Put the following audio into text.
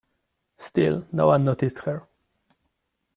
Still no one noticed her.